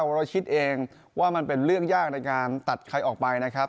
วรชิตเองว่ามันเป็นเรื่องยากในการตัดใครออกไปนะครับ